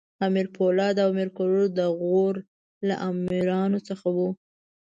امیر پولاد او امیر کروړ د غور له امراوو څخه وو.